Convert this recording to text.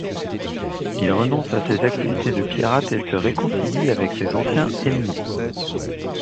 Il renonce à ses activités de pirate et se réconcilie avec ses anciens ennemis.